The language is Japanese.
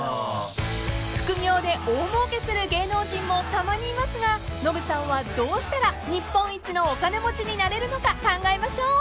［副業で大もうけする芸能人もたまにいますがノブさんはどうしたら日本一のお金持ちになれるのか考えましょう］